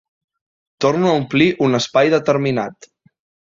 Torno a omplir un espai determinat.